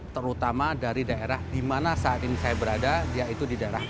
terutama dari daerah di mana saat ini saya berada yaitu di daerah patuk